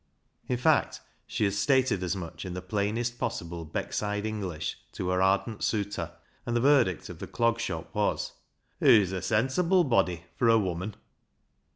In fact, she had stated as much in the plainest possible Beckside English to her ardent suitor, and the verdict of the Clog Shop was :" Hoo's a sensible body — for a woman."